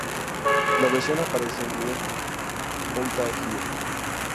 La versión aparece en "We're Outta Here".